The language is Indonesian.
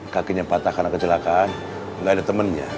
kakinya patah karena kecelakaan nggak ada temannya